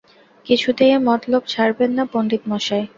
কিছুতেই এ মতলব ছাড়বেন না পণ্ডিতমশায়?